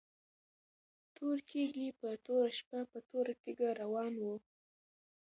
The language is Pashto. تور کيږی په توره شپه په توره تيږه روان وو